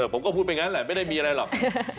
ผมก็พูดไปงั้นแหละไม่ได้มีอะไรหรอก